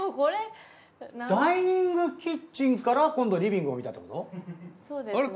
ダイニングキッチンから今度リビングを見たってこと？